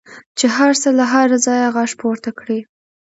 چې هر څه له هره ځایه غږ پورته کړي.